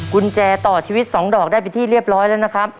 กุญแจต่อชีวิต๒ดอกได้เป็นที่เรียบร้อยแล้วนะครับ